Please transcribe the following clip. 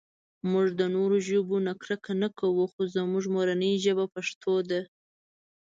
مونږ د نورو ژبو نه کرکه نهٔ کوؤ خو زمونږ مورنۍ ژبه پښتو ده